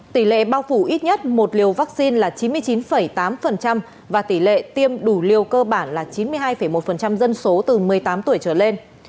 tỷ lệ bao phủ ít nhất một liều vaccine là chín mươi chín tám và tỷ lệ tiêm đủ liều cơ bản là chín mươi hai một dân số từ một mươi tám tuổi trở lên